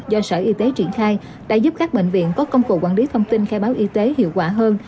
do sở y tế triển khai đã giúp các bệnh viện có công cụ quản lý thông tin khai báo y tế hiệu quả hơn